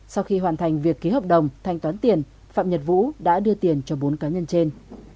sau khi hoàn thành việc ký hợp đồng thanh toán tiền phạm nhật vũ đã đưa tiền cho bốn cá nhân trên